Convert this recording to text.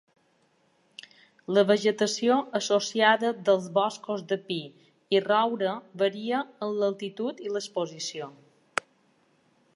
La vegetació associada dels boscos de pi i roure varia amb l'altitud i l'exposició.